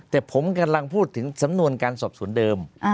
แต่ผมกำลังพูดถึงสำนวนการสอบสวนเดิม